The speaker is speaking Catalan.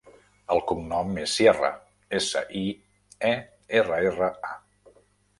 El cognom és Sierra: essa, i, e, erra, erra, a.